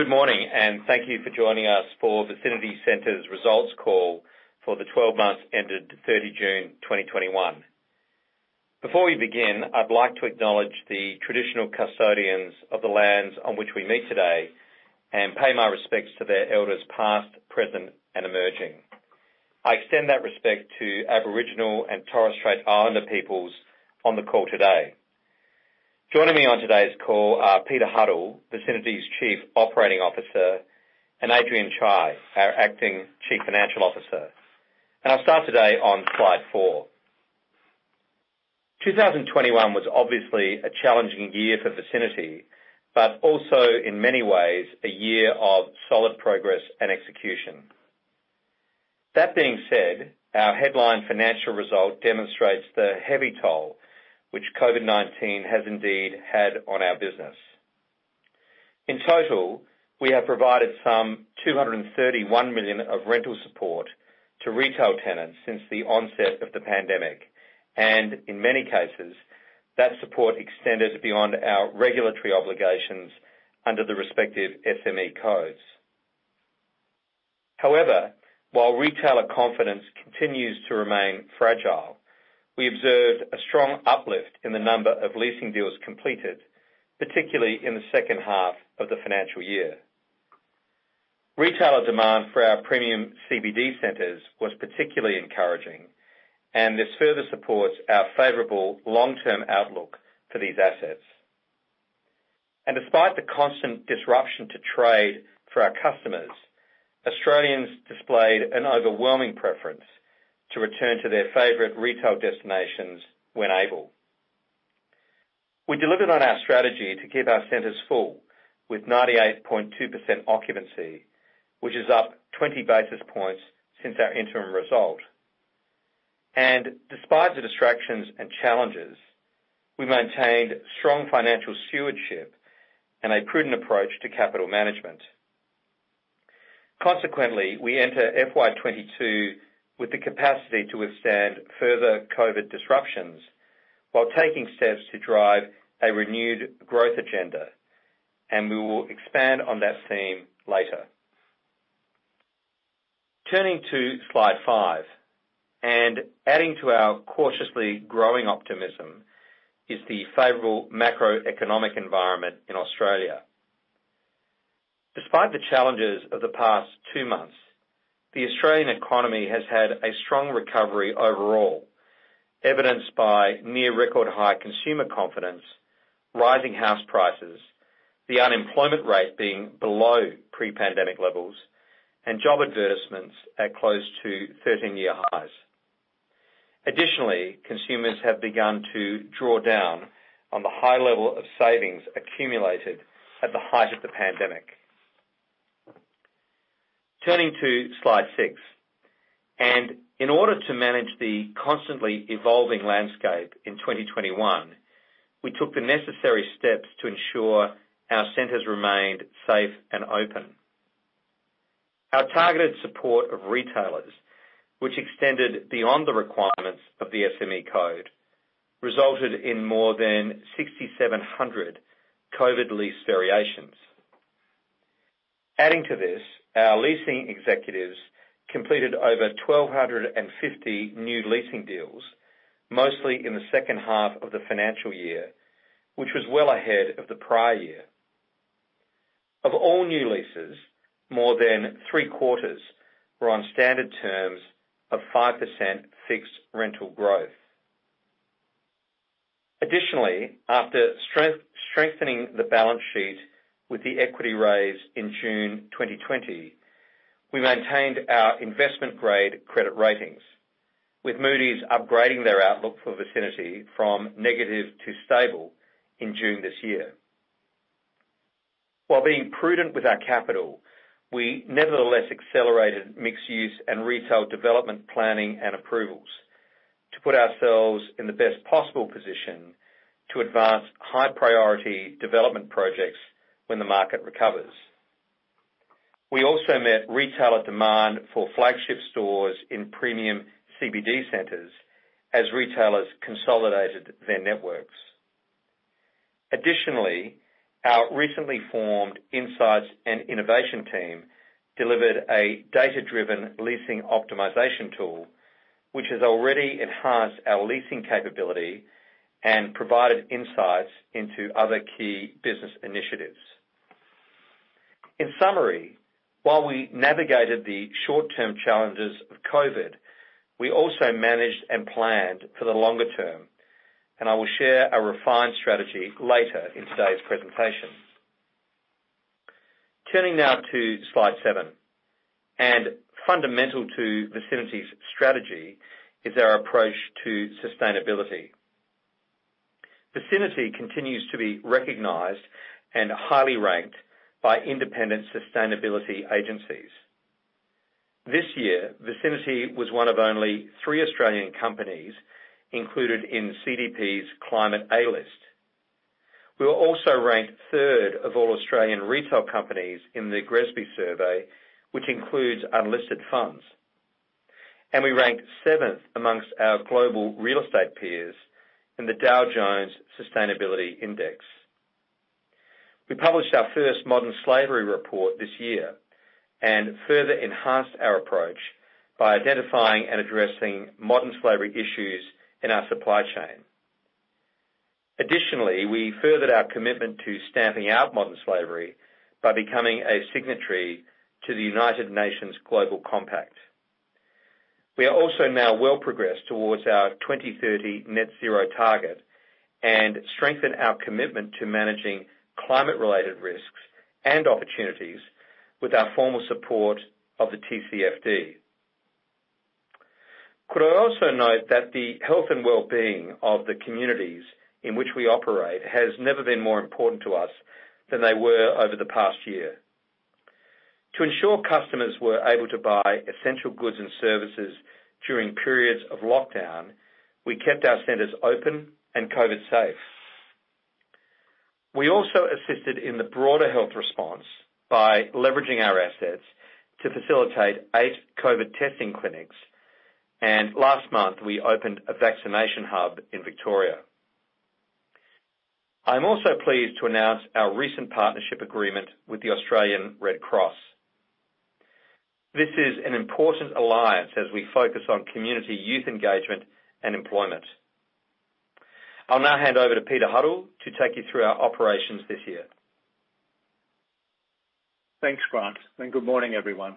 Good morning, and thank you for joining us for Vicinity Centres Results call for the 12 months ended 30 June 2021. Before we begin, I'd like to acknowledge the traditional custodians of the lands on which we meet today, and pay my respects to their elders past, present, and emerging. I extend that respect to Aboriginal and Torres Strait Islander peoples on the call today. Joining me on today's call are Peter Huddle, Vicinity's Chief Operating Officer, and Adrian Chye, our Acting Chief Financial Officer. I'll start today on slide four. 2021 was obviously a challenging year for Vicinity, but also, in many ways, a year of solid progress and execution. That being said, our headline financial result demonstrates the heavy toll which COVID-19 has indeed had on our business. In total, we have provided 231 million of rental support to retail tenants since the onset of the pandemic. In many cases, that support extended beyond our regulatory obligations under the respective SME codes. However, while retailer confidence continues to remain fragile, we observed a strong uplift in the number of leasing deals completed, particularly in the second half of the financial year. Retailer demand for our premium CBD centers was particularly encouraging. This further supports our favorable long-term outlook for these assets. Despite the constant disruption to trade for our customers, Australians displayed an overwhelming preference to return to their favorite retail destinations when able. We delivered on our strategy to keep our centers full with 98.2% occupancy, which is up 20 basis points since our interim result. Despite the distractions and challenges, we maintained strong financial stewardship and a prudent approach to capital management. Consequently, we enter FY 2022 with the capacity to withstand further COVID disruptions while taking steps to drive a renewed growth agenda, and we will expand on that theme later. Turning to slide five. Adding to our cautiously growing optimism is the favorable macroeconomic environment in Australia. Despite the challenges of the past two months, the Australian economy has had a strong recovery overall, evidenced by near record high consumer confidence, rising house prices, the unemployment rate being below pre-pandemic levels, and job advertisements at close to 13-year highs. Additionally, consumers have begun to draw down on the high level of savings accumulated at the height of the pandemic. Turning to slide six. In order to manage the constantly evolving landscape in 2021, we took the necessary steps to ensure our centers remained safe and open. Our targeted support of retailers, which extended beyond the requirements of the SME code, resulted in more than 6,700 COVID-19 lease variations. Adding to this, our leasing executives completed over 1,250 new leasing deals, mostly in the second half of the financial year, which was well ahead of the prior year. Of all new leases, more than three-quarters were on standard terms of 5% fixed rental growth. Additionally, after strengthening the balance sheet with the equity raise in June 2020, we maintained our investment-grade credit ratings, with Moody's upgrading their outlook for Vicinity from negative to stable in June this year. While being prudent with our capital, we nevertheless accelerated mixed-use and retail development planning and approvals to put ourselves in the best possible position to advance high-priority development projects when the market recovers. We also met retailer demand for flagship stores in premium CBD centers as retailers consolidated their networks. Additionally, our recently formed Insights and Innovation team delivered a data-driven leasing optimization tool, which has already enhanced our leasing capability and provided insights into other key business initiatives. In summary, while we navigated the short-term challenges of COVID, we also managed and planned for the longer term, and I will share a refined strategy later in today's presentation. Turning now to slide seven. Fundamental to Vicinity's strategy is our approach to sustainability. Vicinity continues to be recognized and highly ranked by independent sustainability agencies. This year, Vicinity was one of only three Australian companies included in CDP's Climate A List. We were also ranked third of all Australian retail companies in the GRESB survey, which includes unlisted funds. We ranked seventh amongst our global real estate peers in the Dow Jones Sustainability Index. We published our first Modern Slavery report this year and further enhanced our approach by identifying and addressing modern slavery issues in our supply chain. Additionally, we furthered our commitment to stamping out modern slavery by becoming a signatory to the United Nations Global Compact. We are also now well progressed towards our 2030 net zero target and strengthen our commitment to managing climate-related risks and opportunities with our formal support of the TCFD. Could I also note that the health and well-being of the communities in which we operate has never been more important to us than they were over the past year. To ensure customers were able to buy essential goods and services during periods of lockdown, we kept our centers open and COVID safe. We also assisted in the broader health response by leveraging our assets to facilitate eight COVID testing clinics, and last month, we opened a vaccination hub in Victoria. I'm also pleased to announce our recent partnership agreement with the Australian Red Cross. This is an important alliance as we focus on community youth engagement and employment. I'll now hand over to Peter Huddle to take you through our operations this year. Thanks, Grant, good morning, everyone.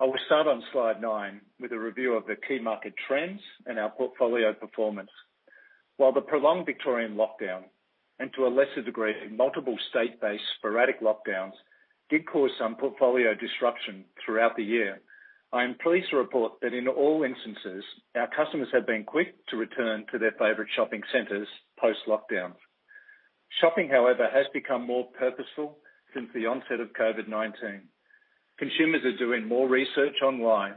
I will start on slide nine with a review of the key market trends and our portfolio performance. While the prolonged Victorian lockdown, and to a lesser degree, multiple state-based sporadic lockdowns, did cause some portfolio disruption throughout the year, I am pleased to report that in all instances, our customers have been quick to return to their favorite shopping centers post-lockdown. Shopping, however, has become more purposeful since the onset of COVID-19. Consumers are doing more research online,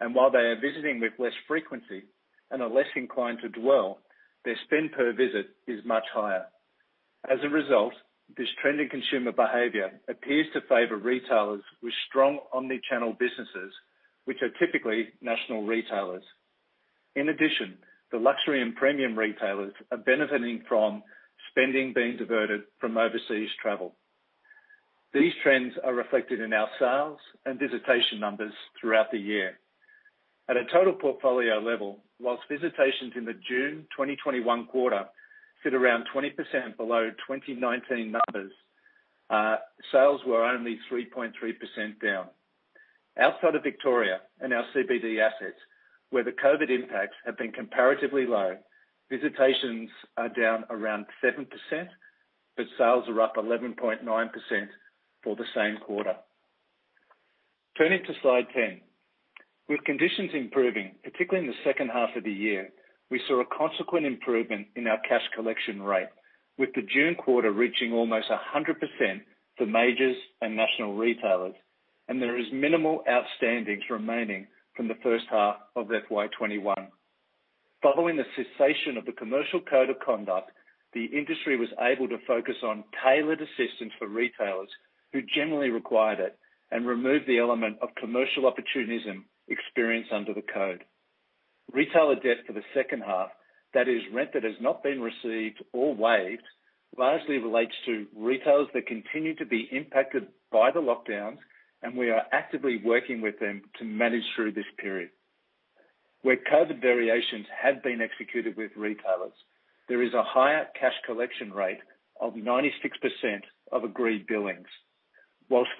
and while they are visiting with less frequency and are less inclined to dwell, their spend per visit is much higher. As a result, this trend in consumer behavior appears to favor retailers with strong omni-channel businesses, which are typically national retailers. In addition, the luxury and premium retailers are benefiting from spending being diverted from overseas travel. These trends are reflected in our sales and visitation numbers throughout the year. At a total portfolio level, whilst visitations in the June 2021 quarter sit around 20% below 2019 numbers, sales were only 3.3% down. Outside of Victoria and our CBD assets, where the COVID impacts have been comparatively low, visitations are down around 7%, but sales are up 11.9% for the same quarter. Turning to slide 10. With conditions improving, particularly in the second half of the year, we saw a consequent improvement in our cash collection rate, with the June quarter reaching almost 100% for majors and national retailers, and there is minimal outstandings remaining from the first half of FY 2021. Following the cessation of the commercial code of conduct, the industry was able to focus on tailored assistance for retailers who generally required it and removed the element of commercial opportunism experienced under the code. Retailer debt for the second half, that is, rent that has not been received or waived, largely relates to retailers that continue to be impacted by the lockdowns, and we are actively working with them to manage through this period. For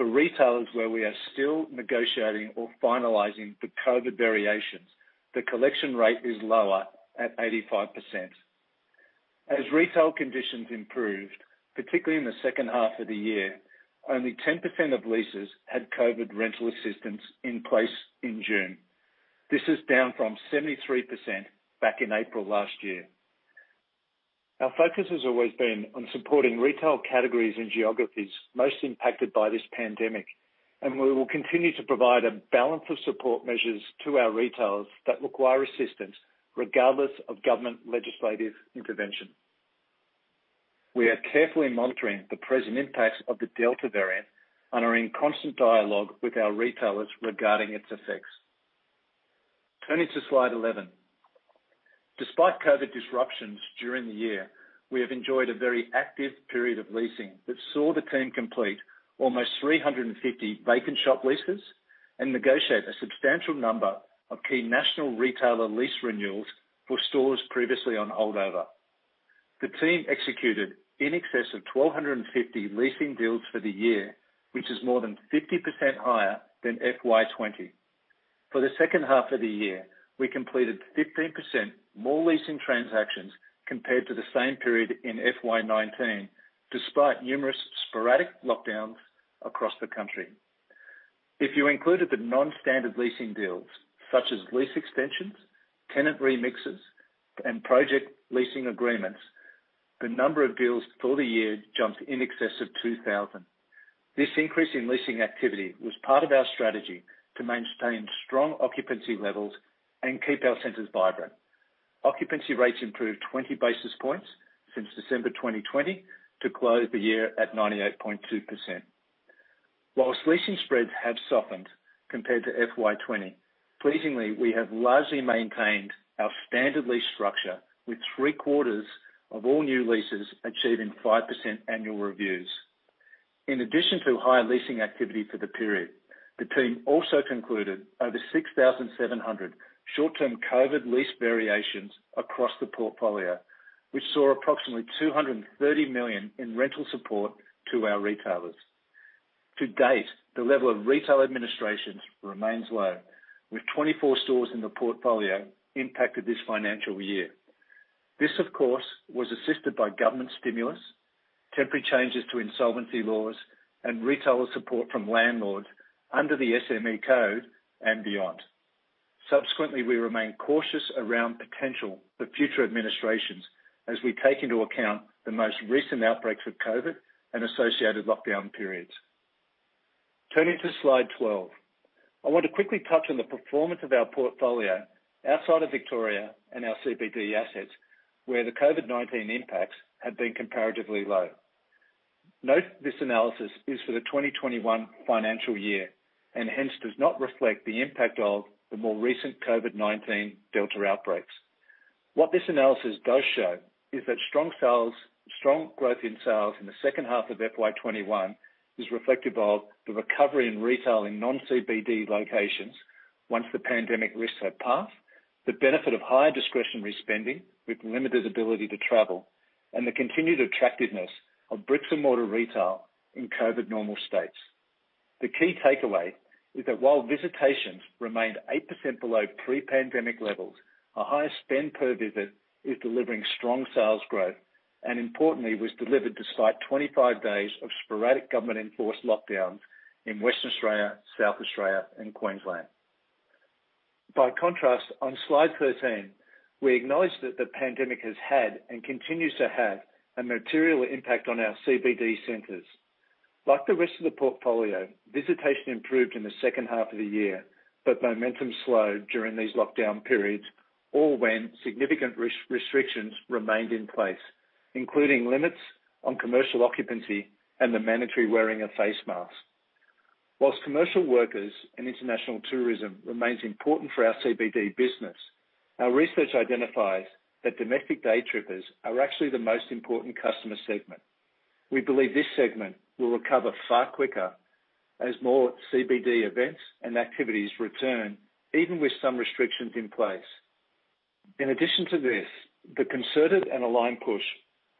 retailers where we are still negotiating or finalizing the COVID variations, the collection rate is lower at 85%. Retail conditions improved, particularly in the second half of the year, only 10% of leases had COVID rental assistance in place in June. This is down from 73% back in April last year. Our focus has always been on supporting retail categories and geographies most impacted by this pandemic, and we will continue to provide a balance of support measures to our retailers that require assistance regardless of government legislative intervention. We are carefully monitoring the present impacts of the Delta variant and are in constant dialogue with our retailers regarding its effects. Turning to slide 11. Despite COVID disruptions during the year, we have enjoyed a very active period of leasing that saw the team complete almost 350 vacant shop leases and negotiate a substantial number of key national retailer lease renewals for stores previously on holdover. The team executed in excess of 1,250 leasing deals for the year, which is more than 50% higher than FY 2020. For the second half of the year, we completed 15% more leasing transactions compared to the same period in FY19, despite numerous sporadic lockdowns across the country. If you included the non-standard leasing deals, such as lease extensions, tenant remixes, and project leasing agreements, the number of deals for the year jumps in excess of 2,000. This increase in leasing activity was part of our strategy to maintain strong occupancy levels and keep our centers vibrant. Occupancy rates improved 20 basis points since December 2020 to close the year at 98.2%. Whilst leasing spreads have softened compared to FY20, pleasingly, we have largely maintained our standard lease structure with three-quarters of all new leases achieving 5% annual reviews. In addition to higher leasing activity for the period, the team also concluded over 6,700 short-term COVID lease variations across the portfolio, which saw approximately 230 million in rental support to our retailers. To date, the level of retail administrations remains low, with 24 stores in the portfolio impacted this financial year. This, of course, was assisted by government stimulus, temporary changes to insolvency laws, and retailer support from landlords under the SME Code and beyond. Subsequently, we remain cautious around potential for future administrations as we take into account the most recent outbreaks of COVID-19 and associated lockdown periods. Turning to slide 12. I want to quickly touch on the performance of our portfolio outside of Victoria and our CBD assets, where the COVID-19 impacts have been comparatively low. Note that this analysis is for the 2021 financial year, and hence does not reflect the impact of the more recent COVID-19 Delta outbreaks. What this analysis does show is that strong growth in sales in the second half of FY21 is reflective of the recovery in retail in non-CBD locations once the pandemic risks have passed, the benefit of higher discretionary spending with limited ability to travel, and the continued attractiveness of bricks-and-mortar retail in COVID normal states. The key takeaway is that while visitations remained 8% below pre-pandemic levels, a higher spend per visit is delivering strong sales growth, and importantly, was delivered despite 25 days of sporadic government-enforced lockdowns in Western Australia, South Australia, and Queensland. By contrast, on slide 13, we acknowledge that the pandemic has had and continues to have a material impact on our CBD centers. Like the rest of the portfolio, visitation improved in the second half of the year, but momentum slowed during these lockdown periods or when significant restrictions remained in place, including limits on commercial occupancy and the mandatory wearing of face masks. Commercial workers and international tourism remains important for our CBD business, our research identifies that domestic day trippers are actually the most important customer segment. We believe this segment will recover far quicker as more CBD events and activities return, even with some restrictions in place. In addition to this, the concerted and aligned push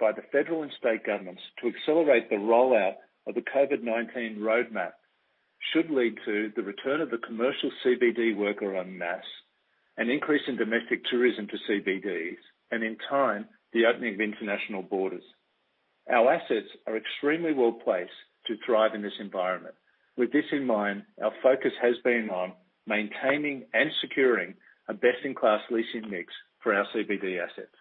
by the federal and state governments to accelerate the rollout of the COVID-19 roadmap should lead to the return of the commercial CBD worker en masse, an increase in domestic tourism to CBDs, and in time, the opening of international borders. Our assets are extremely well-placed to thrive in this environment. With this in mind, our focus has been on maintaining and securing a best-in-class leasing mix for our CBD assets.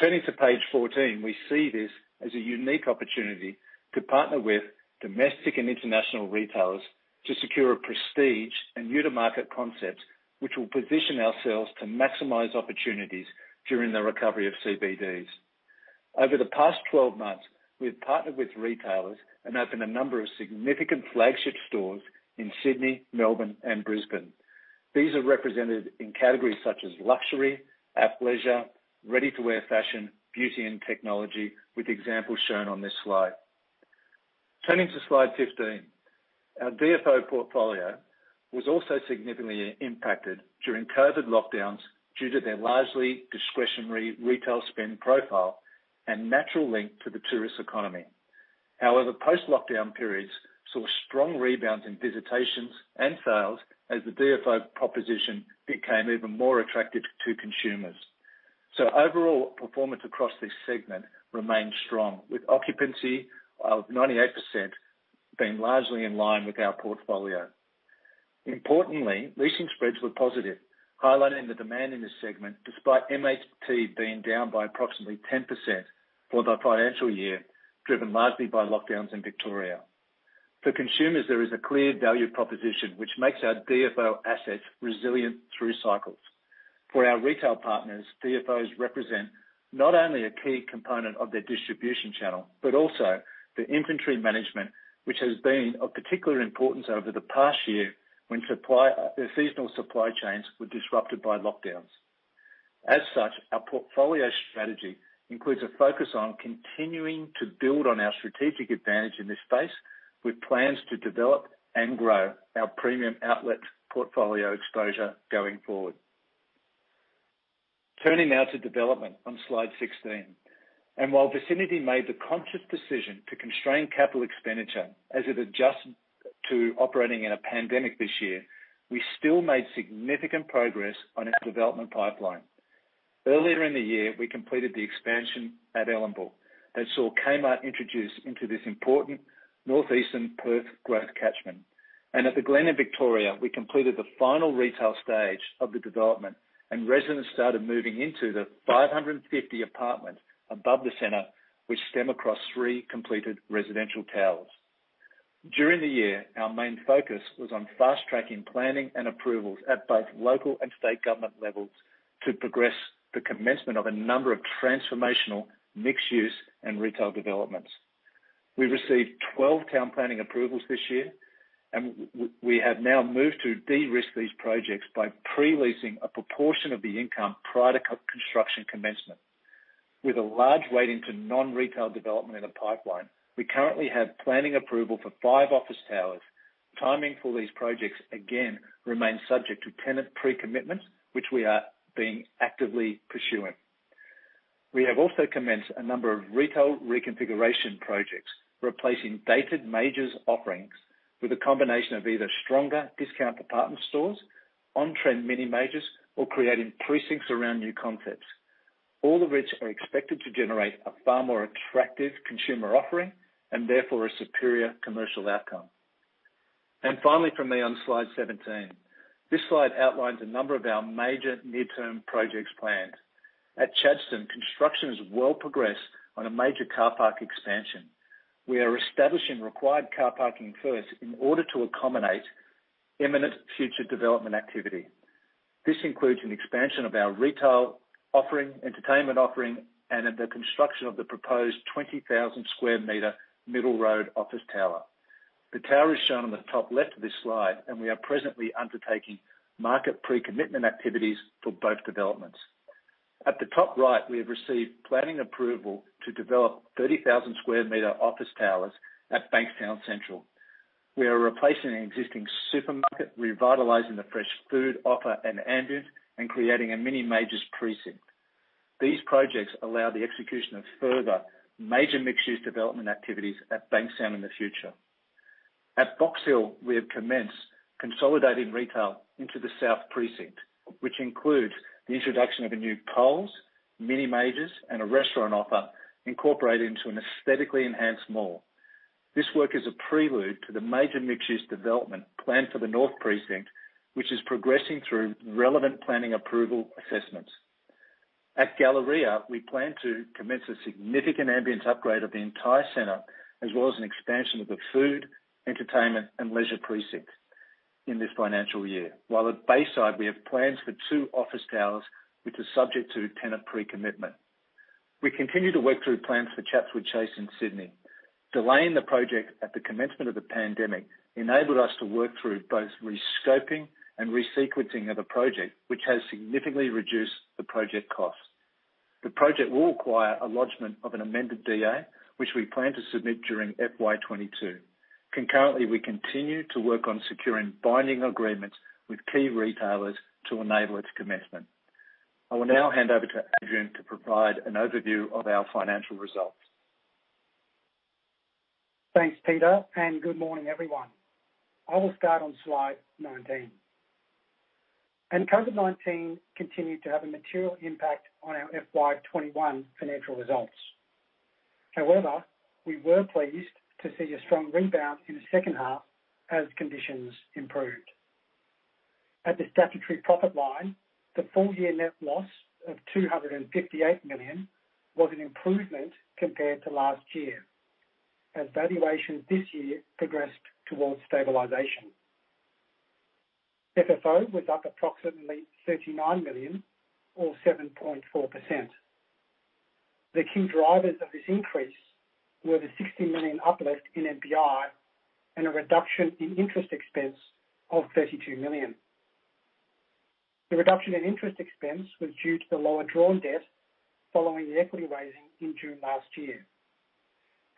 Turning to page 14, we see this as a unique opportunity to partner with domestic and international retailers to secure prestige and new-to-market concepts, which will position ourselves to maximize opportunities during the recovery of CBDs. Over the past 12 months, we've partnered with retailers and opened a number of significant flagship stores in Sydney, Melbourne, and Brisbane. These are represented in categories such as luxury, athleisure, ready-to-wear fashion, beauty, and technology, with examples shown on this slide. Turning to slide 15. Our DFO portfolio was also significantly impacted during COVID lockdowns due to their largely discretionary retail spend profile and natural link to the tourist economy. However, post-lockdown periods saw strong rebounds in visitations and sales as the DFO proposition became even more attractive to consumers. Overall performance across this segment remains strong, with occupancy of 98% being largely in line with our portfolio. Importantly, leasing spreads were positive, highlighting the demand in this segment, despite MAT being down by approximately 10% for the financial year, driven largely by lockdowns in Victoria. For consumers, there is a clear value proposition, which makes our DFO assets resilient through cycles. For our retail partners, DFOs represent not only a key component of their distribution channel, but also the inventory management, which has been of particular importance over the past year when seasonal supply chains were disrupted by lockdowns. Our portfolio strategy includes a focus on continuing to build on our strategic advantage in this space with plans to develop and grow our premium outlet portfolio exposure going forward. Turning now to development on slide 16. While Vicinity made the conscious decision to constrain capital expenditure as it adjusted to operating in a pandemic this year, we still made significant progress on our development pipeline. Earlier in the year, we completed the expansion at Ellenbrook that saw Kmart introduced into this important northeastern Perth growth catchment. At The Glen in Victoria, we completed the final retail stage of the development, and residents started moving into the 550 apartments above the center, which stem across three completed residential towers. During the year, our main focus was on fast-tracking planning and approvals at both local and state government levels to progress the commencement of a number of transformational mixed-use and retail developments. We received 12 town planning approvals this year, and we have now moved to de-risk these projects by pre-leasing a proportion of the income prior to construction commencement. With a large weighting to non-retail development in the pipeline, we currently have planning approval for five office towers. Timing for these projects, again, remains subject to tenant pre-commitment, which we are being actively pursuing. We have also commenced a number of retail reconfiguration projects, replacing dated majors offerings with a combination of either stronger discount department stores, on-trend mini majors, or creating precincts around new concepts. All of which are expected to generate a far more attractive consumer offering, and therefore, a superior commercial outcome. Finally from me on slide 17. This slide outlines a number of our major near-term projects planned. At Chadstone, construction is well progressed on a major car park expansion. We are establishing required car parking first in order to accommodate imminent future development activity. This includes an expansion of our retail offering, entertainment offering, and the construction of the proposed 20,000 sq m middle road office tower. The tower is shown on the top left of this slide, we are presently undertaking market pre-commitment activities for both developments. At the top right, we have received planning approval to develop 30,000 sq m office towers at Bankstown Central. We are replacing an existing supermarket, revitalizing the fresh food offer and ambience, and creating a mini majors precinct. These projects allow the execution of further major mixed-use development activities at Bankstown in the future. At Box Hill, we have commenced consolidating retail into the south precinct, which includes the introduction of a new Coles, mini majors, and a restaurant offer incorporated into an aesthetically enhanced mall. This work is a prelude to the major mixed-use development planned for the north precinct, which is progressing through relevant planning approval assessments. At Galleria, we plan to commence a significant ambience upgrade of the entire center, as well as an expansion of the food, entertainment, and leisure precinct in this financial year. While at Bayside, we have plans for two office towers, which are subject to tenant pre-commitment. We continue to work through plans for Chatswood Chase in Sydney. Delaying the project at the commencement of the pandemic enabled us to work through both rescoping and resequencing of the project, which has significantly reduced the project cost. The project will require a lodgment of an amended DA, which we plan to submit during FY 2022. Concurrently, we continue to work on securing binding agreements with key retailers to enable its commencement. I will now hand over to Adrian to provide an overview of our financial results. Thanks, Peter Huddle, and good morning, everyone. I will start on slide 19. COVID-19 continued to have a material impact on our FY 2021 financial results. However, we were pleased to see a strong rebound in the second half as conditions improved. At the statutory profit line, the full year net loss of 258 million was an improvement compared to last year, as valuations this year progressed towards stabilization. FFO was up approximately 39 million or 7.4%. The key drivers of this increase were the 60 million uplift in NPI and a reduction in interest expense of 32 million. The reduction in interest expense was due to the lower drawn debt following the equity raising in June last year,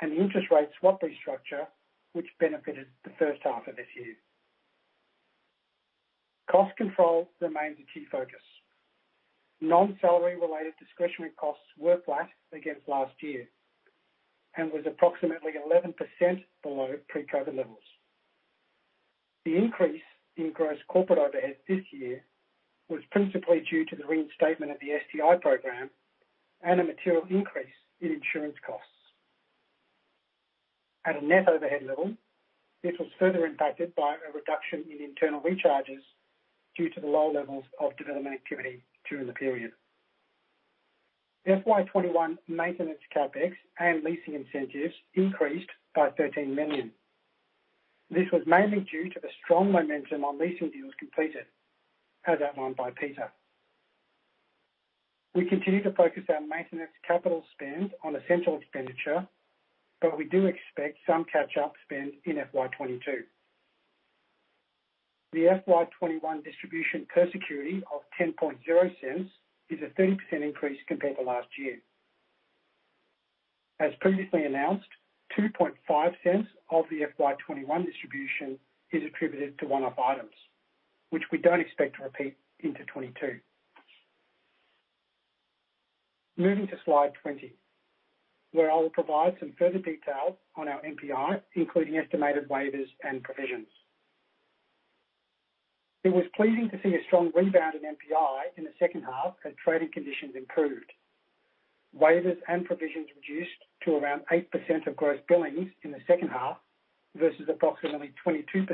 and the interest rate swap restructure, which benefited the first half of this year. Cost control remains a key focus. Non-salary related discretionary costs were flat against last year and was approximately 11% below pre-COVID levels. The increase in gross corporate overhead this year was principally due to the reinstatement of the STI program and a material increase in insurance costs. At a net overhead level, this was further impacted by a reduction in internal recharges due to the low levels of development activity during the period. FY 2021 maintenance CapEx and leasing incentives increased by 13 million. This was mainly due to the strong momentum on leasing deals completed, as outlined by Peter Huddle. We continue to focus our maintenance capital spend on essential expenditure, but we do expect some catch-up spend in FY 2022. The FY 2021 distribution per security of 0.10 is a 30% increase compared to last year. As previously announced, 0.025 of the FY 2021 distribution is attributed to one-off items, which we don't expect to repeat into 2022. Moving to slide 20, where I will provide some further detail on our NPI, including estimated waivers and provisions. It was pleasing to see a strong rebound in NPI in the second half as trading conditions improved. Waivers and provisions reduced to around 8% of gross billings in the second half versus approximately 22%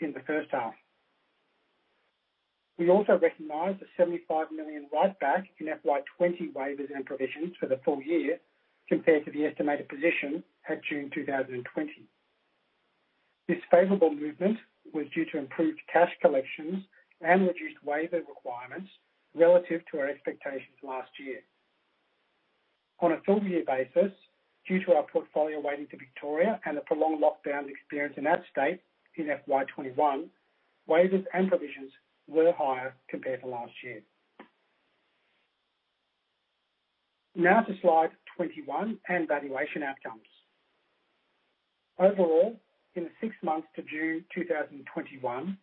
in the first half. We also recognized a 75 million write-back in FY 2020 waivers and provisions for the full year compared to the estimated position at June 2020. This favorable movement was due to improved cash collections and reduced waiver requirements relative to our expectations last year. On a full year basis, due to our portfolio weighting to Victoria and the prolonged lockdowns experienced in that state in FY 2021, waivers and provisions were higher compared to last year. To slide 21 and valuation outcomes. Overall, in the six months to June 2021,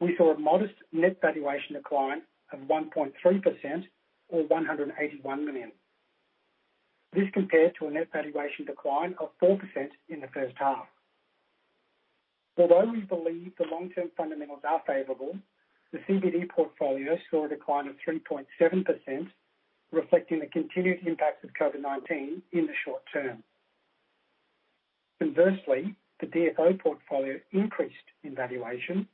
we saw a modest net valuation decline of 1.3% or 181 million. This compared to a net valuation decline of 4% in the first half. We believe the long-term fundamentals are favorable, the CBD portfolio saw a decline of 3.7%, reflecting the continued impact of COVID-19 in the short term. Inversely, the DFO portfolio increased in valuation,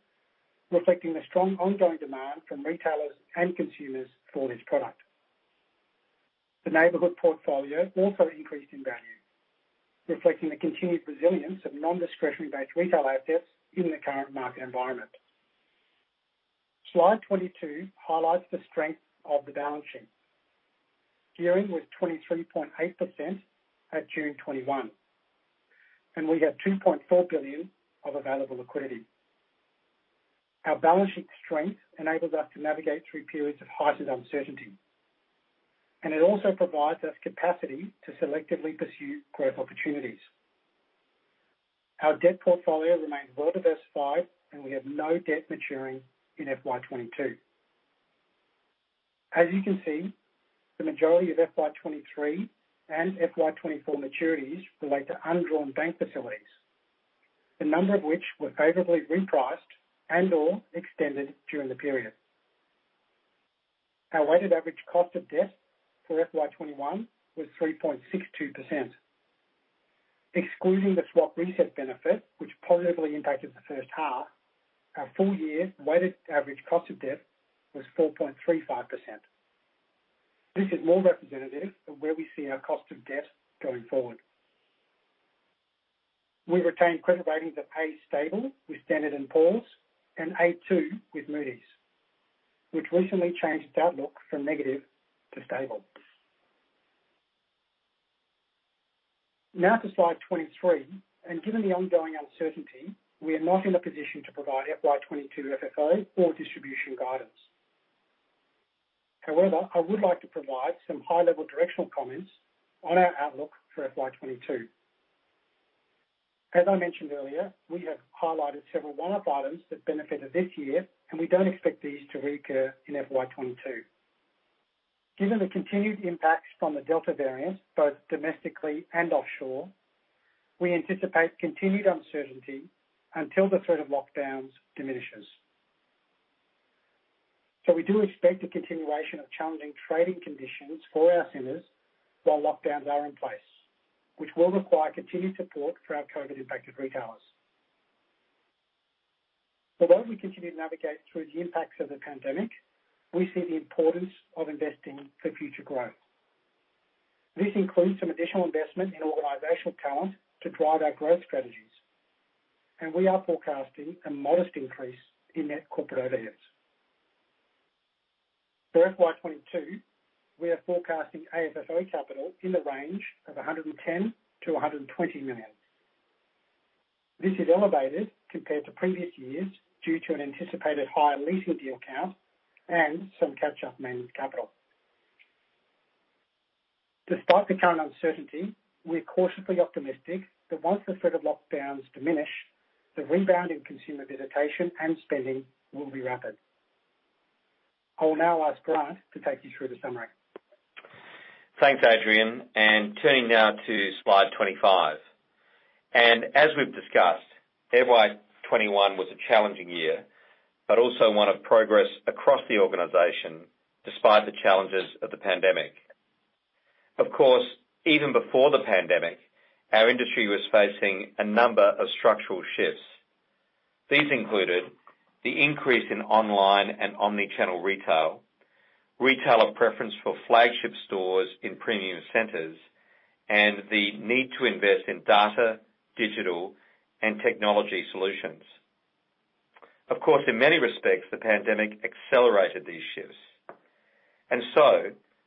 reflecting the strong ongoing demand from retailers and consumers for this product. The neighborhood portfolio also increased in value, reflecting the continued resilience of non-discretionary based retail assets in the current market environment. Slide 22 highlights the strength of the balance sheet. Gearing was 23.8% at June 2021. We have 2.4 billion of available liquidity. Our balance sheet strength enables us to navigate through periods of heightened uncertainty. It also provides us capacity to selectively pursue growth opportunities. Our debt portfolio remains well-diversified. We have no debt maturing in FY 2022. As you can see, the majority of FY 2023 and FY 2024 maturities relate to undrawn bank facilities, a number of which were favorably repriced and/or extended during the period. Our weighted average cost of debt for FY 2021 was 3.62%. Excluding the swap reset benefit, which positively impacted the first half, our full year weighted average cost of debt was 4.35%. This is more representative of where we see our cost of debt going forward. We retain credit ratings at A/stable with Standard & Poor's, and A.2 with Moody's, which recently changed its outlook from negative to stable. Now to slide 23. Given the ongoing uncertainty, we are not in a position to provide FY 2022 FFO or distribution guidance. However, I would like to provide some high-level directional comments on our outlook for FY 2022. As I mentioned earlier, we have highlighted several one-off items that benefited this year, and we don't expect these to recur in FY 2022. Given the continued impacts from the Delta variant, both domestically and offshore, we anticipate continued uncertainty until the threat of lockdowns diminishes. We do expect a continuation of challenging trading conditions for our centers while lockdowns are in place, which will require continued support for our COVID-impacted retailers. We continue to navigate through the impacts of the pandemic, we see the importance of investing for future growth. This includes some additional investment in organizational talent to drive our growth strategies, and we are forecasting a modest increase in net corporate overheads. For FY 2022, we are forecasting AFFO capital in the range of 110 million-120 million. This is elevated compared to previous years due to an anticipated higher leasing deal count and some catch-up maintenance capital. Despite the current uncertainty, we're cautiously optimistic that once the threat of lockdowns diminish, the rebound in consumer visitation and spending will be rapid. I will now ask Grant to take you through the summary. Thanks, Adrian. Turning now to slide 25. As we've discussed, FY 2021 was a challenging year, but also one of progress across the organization despite the challenges of the pandemic. Of course, even before the pandemic, our industry was facing a number of structural shifts. These included the increase in online and omni-channel retail, retailer preference for flagship stores in premium centers, and the need to invest in data, digital, and technology solutions. Of course, in many respects, the pandemic accelerated these shifts.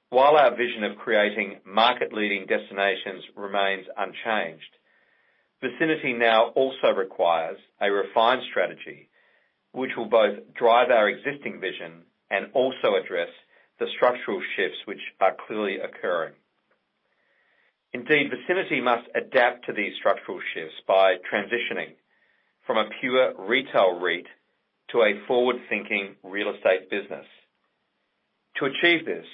While our vision of creating market-leading destinations remains unchanged, Vicinity now also requires a refined strategy which will both drive our existing vision and also address the structural shifts which are clearly occurring. Indeed, Vicinity must adapt to these structural shifts by transitioning from a pure retail REIT to a forward-thinking real estate business. To achieve this,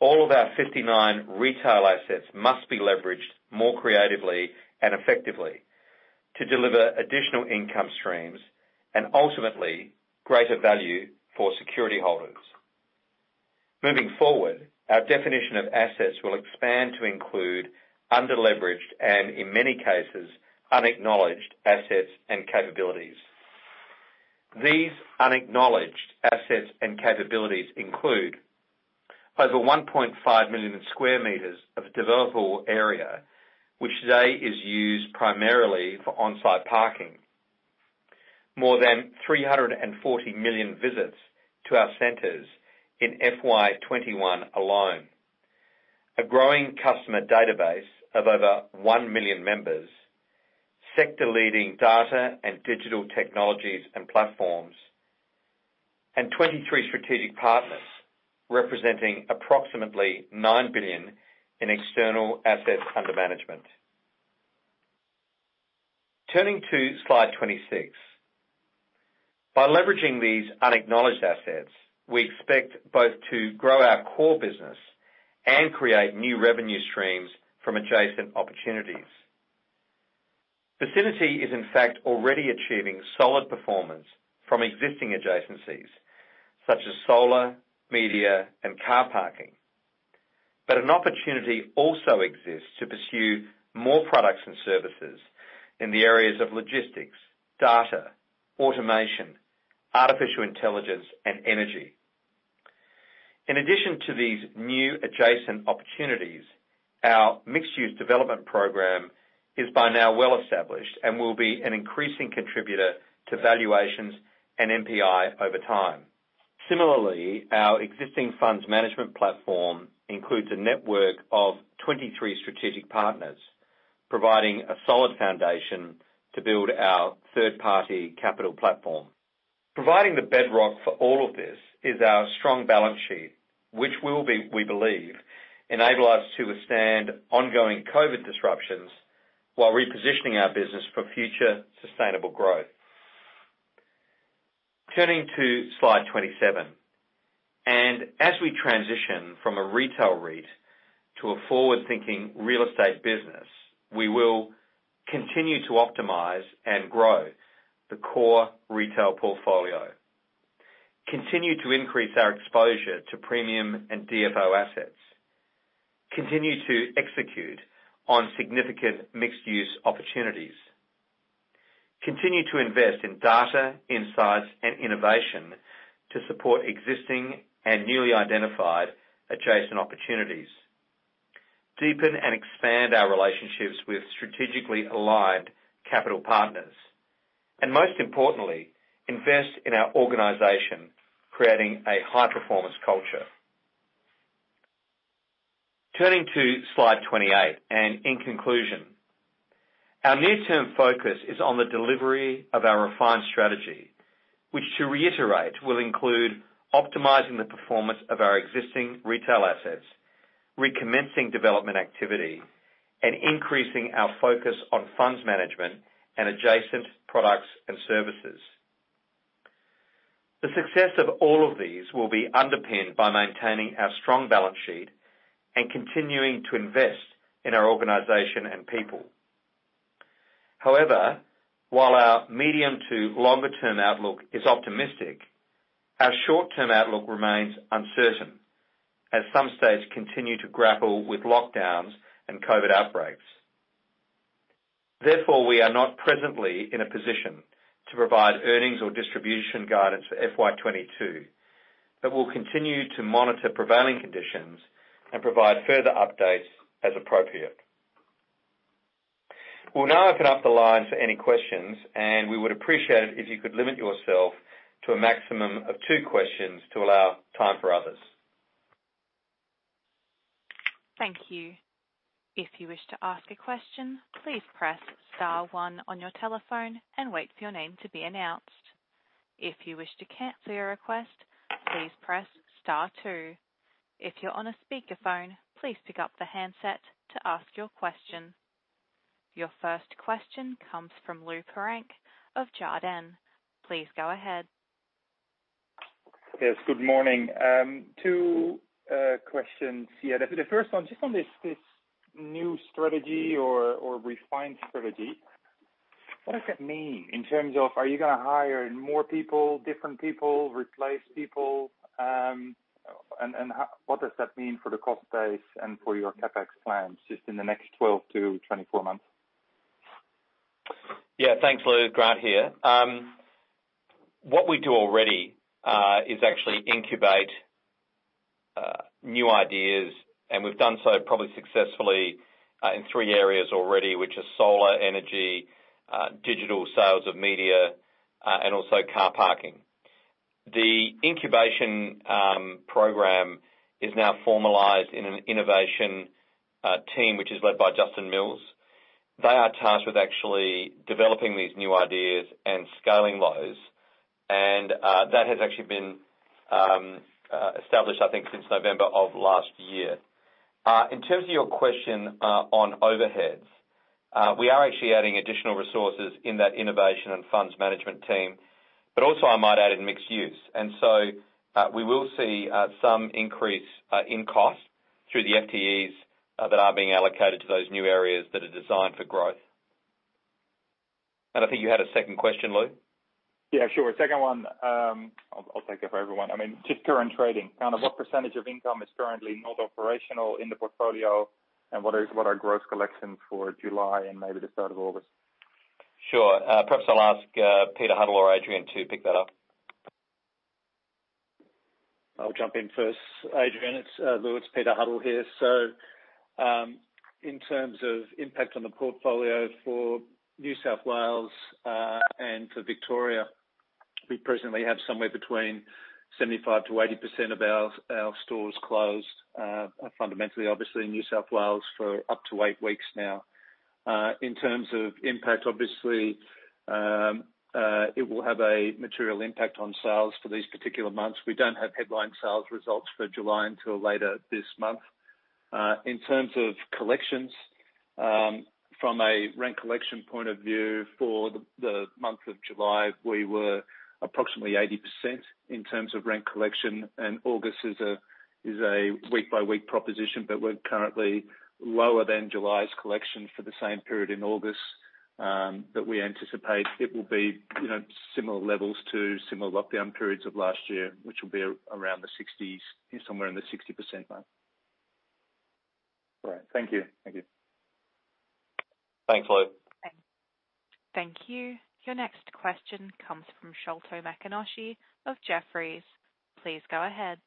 all of our 59 retail assets must be leveraged more creatively and effectively to deliver additional income streams and ultimately greater value for security holders. Moving forward, our definition of assets will expand to include underleveraged and, in many cases, unacknowledged assets and capabilities. These unacknowledged assets and capabilities include over 1.5 million sq m of developable area, which today is used primarily for on-site parking. More than 340 million visits to our centers in FY 2021 alone. A growing customer database of over 1 million members, sector leading data and digital technologies and platforms, and 23 strategic partners representing approximately 9 billion in external assets under management. Turning to slide 26. By leveraging these unacknowledged assets, we expect both to grow our core business and create new revenue streams from adjacent opportunities. Vicinity is, in fact, already achieving solid performance from existing adjacencies such as solar, media, and car parking. An opportunity also exists to pursue more products and services in the areas of logistics, data, automation, artificial intelligence, and energy. In addition to these new adjacent opportunities, our mixed-use development program is by now well established and will be an increasing contributor to valuations and NPI over time. Similarly, our existing funds management platform includes a network of 23 strategic partners, providing a solid foundation to build our third-party capital platform. Providing the bedrock for all of this is our strong balance sheet, which will, we believe, enable us to withstand ongoing COVID disruptions while repositioning our business for future sustainable growth. Turning to slide 27. As we transition from a retail REIT to a forward-thinking real estate business, we will continue to optimize and grow the core retail portfolio, continue to increase our exposure to premium and DFO assets, continue to execute on significant mixed-use opportunities, continue to invest in data, insights, and innovation to support existing and newly identified adjacent opportunities, deepen and expand our relationships with strategically aligned capital partners, and most importantly, invest in our organization, creating a high-performance culture. Turning to slide 28 and in conclusion, our near-term focus is on the delivery of our refined strategy, which, to reiterate, will include optimizing the performance of our existing retail assets, recommencing development activity, and increasing our focus on funds management and adjacent products and services. The success of all of these will be underpinned by maintaining our strong balance sheet and continuing to invest in our organization and people. While our medium to longer-term outlook is optimistic, our short-term outlook remains uncertain as some states continue to grapple with lockdowns and COVID outbreaks. We are not presently in a position to provide earnings or distribution guidance for FY 2022, but we'll continue to monitor prevailing conditions and provide further updates as appropriate. We'll now open up the line for any questions, and we would appreciate it if you could limit yourself to a maximum of two questions to allow time for others. Thank you. If you wish to ask a question, please press star one on your telephone and wait for your name to be announced. If you wish to cancel your request, please press star two. If you're on a speakerphone, please pick up the handset to ask your question. Your first question comes from Lou Pirenc of Jarden. Please go ahead. Yes, good morning. Two questions here. The first one, just on this new strategy or refined strategy, what does that mean in terms of are you going to hire more people, different people, replace people? What does that mean for the cost base and for your CapEx plans just in the next 12-24 months? Yeah, thanks, Lou. Grant here. What we do already is actually incubate new ideas, and we've done so probably successfully in three areas already, which are solar energy, digital sales of media, and also car parking. The incubation program is now formalized in an innovation team, which is led by Justin Mills. They are tasked with actually developing these new ideas and scaling those. That has actually been established, I think, since November of last year. In terms of your question on overheads, we are actually adding additional resources in that innovation and funds management team, but also I might add in mixed use. We will see some increase in cost through the FTEs that are being allocated to those new areas that are designed for growth. I think you had a second question, Lou. Yeah, sure. Second one, I'll take it for everyone. Just current trading, what percentage of income is currently not operational in the portfolio? What is our gross collection for July and maybe the start of August? Sure. Perhaps I'll ask Peter Huddle or Adrian to pick that up. I'll jump in first. Adrian, Louis, Peter Huddle here. In terms of impact on the portfolio for New South Wales and for Victoria, we presently have somewhere between 75%-80% of our stores closed, fundamentally, obviously in New South Wales for up to eight weeks now. In terms of impact, obviously, it will have a material impact on sales for these particular months. We don't have headline sales results for July until later this month. In terms of collections, from a rent collection point of view for the month of July, we were approximately 80% in terms of rent collection, August is a week-by-week proposition, we're currently lower than July's collection for the same period in August. We anticipate it will be similar levels to similar lockdown periods of last year, which will be around the 60s, somewhere in the 60% mark. All right. Thank you. Thanks, Lou. Thank you. Your next question comes from Sholto Maconochie of Jefferies. Please go ahead.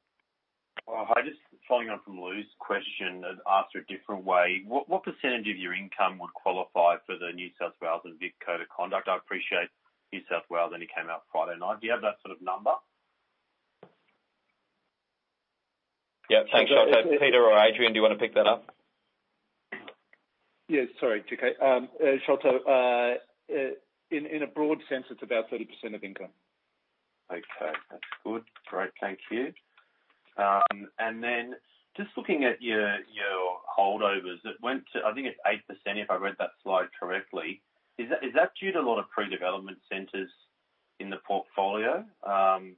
Hi, just following on from Louis's question, asked a different way. What percent of your income would qualify for the New South Wales and Vic Code of Conduct? I appreciate New South Wales only came out Friday night. Do you have that sort of number? Yeah, thanks, Sholto. Peter or Adrian, do you want to pick that up? Yeah, sorry. Sholto. Sholto, in a broad sense, it's about 30% of income. Okay, that's good. Great, thank you. Just looking at your holdovers. It went to, I think it's 8%, if I read that slide correctly. Is that due to a lot of pre-development centers in the portfolio?